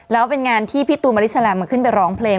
แล้วเป็นงานที่พี่ตูนมะลิแลมมาขึ้นไปร้องเพลง